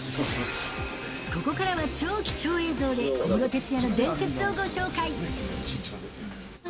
ここからは超貴重映像で、小室哲哉の伝説をご紹介。